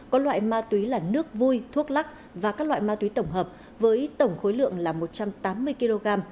có loại ma túy là nước vui thuốc lắc và các loại ma túy tổng hợp với tổng khối lượng là một trăm tám mươi kg